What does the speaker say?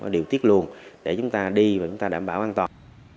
điều tiết luồn để chúng ta đi và chúng ta đảm bảo an toàn